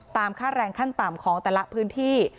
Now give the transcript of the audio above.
ค่าแรงขั้นต่ำของแต่ละพื้นที่